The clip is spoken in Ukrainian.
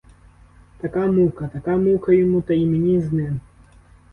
Така мука, така мука йому та й мені з ним.